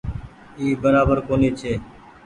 اي برابر ڪونيٚ ڇي۔